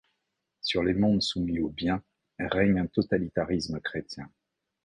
Sur les mondes soumis au Bien, règne un totalitarisme chrétien.